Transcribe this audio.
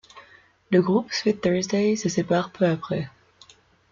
Le groupe Sweet Thursday se sépare peu après.